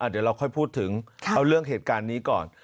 เดี๋ยวเราค่อยพูดถึงเอาเรื่องเหตุการณ์นี้ก่อน